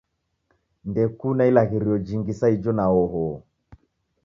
Ndekuna ilaghirio jingi sa ijo na oho